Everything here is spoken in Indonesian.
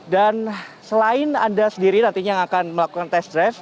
dan selain anda sendiri nantinya yang akan melakukan test drive